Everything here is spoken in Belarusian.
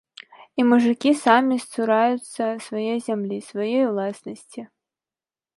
І мужыкі самі сцураюцца сваёй зямлі, сваёй уласнасці.